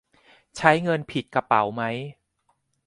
ใช้เงินผิดกระเป๋าไหม ?